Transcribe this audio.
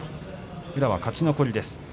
宇良は勝ち残りです。